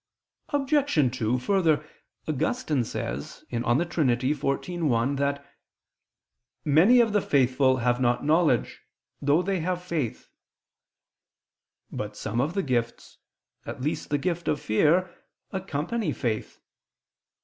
Obj. 2: Further, Augustine says (De Trin. xiv, 1) that "many of the faithful have not knowledge, though they have faith." But some of the gifts, at least the gift of fear, accompany faith.